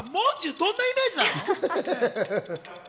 どんなイメージなの？